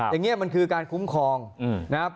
อย่างนี้มันคือการคุ้มครองนะครับ